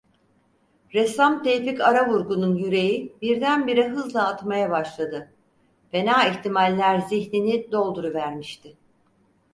Ressam Tevfik Aravurgun'un yüreği birdenbire hızlı atmaya başladı, fena ihtimaller zihnini dolduruvermişti.